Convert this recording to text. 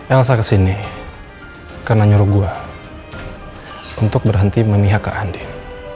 elsa kesini karena nyuruh gua untuk berhenti memihak ke andin